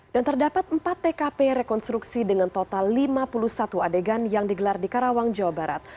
dan terdapat empat tkp rekonstruksi dengan total lima puluh satu adegan yang digelar di karawang jawa barat